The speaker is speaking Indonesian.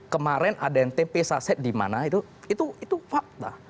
kemaren ada yang tempe saset dimana itu fakta